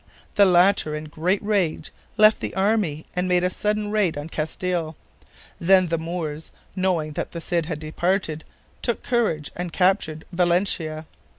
The latter, in great rage, left the army and made a sudden raid on Castile. Then the Moors, knowing that the Cid had departed, took courage and captured Valencia.